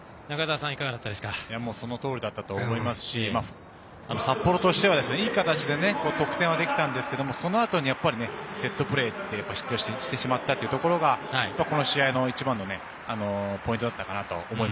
そのとおりだったと思いますし、札幌としてはいい形で得点はできましたがそのあとにセットプレーで失点してしまったところがこの試合の一番のポイントだったかなと。